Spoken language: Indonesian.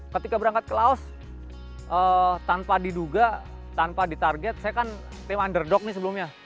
ketika berangkat ke laos tanpa diduga tanpa ditarget saya kan tim underdog nih sebelumnya